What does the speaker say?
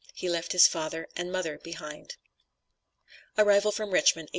He left his father and mother behind. ARRIVAL FROM RICHMOND, 1859.